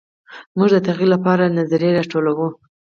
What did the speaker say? موږ د تغیر لپاره نظریې راټولوو.